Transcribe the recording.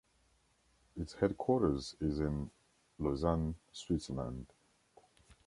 Its headquarters is in Lausanne, Switzerland.